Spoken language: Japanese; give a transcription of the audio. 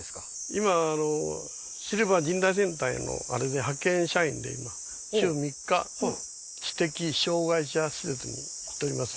今はシルバー人材センターの派遣社員で今週３日知的障がい者施設に行っております